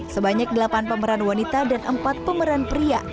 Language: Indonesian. sebanyak delapan pemeran wanita dan empat pemeran pria